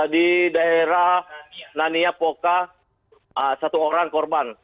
di daerah nania poka satu orang korban